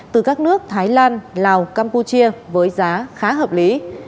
từ các nước thái lan lào campuchia với giá khá hợp lý